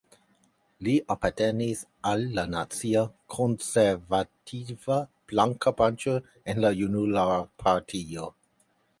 Li apartenis al la nacia konservativa "blanka branĉo" en la junularpartio.